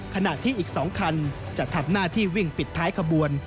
ขณะที่อีก๒คันจะทำหน้าที่วิ่งปิดท้ายขบวน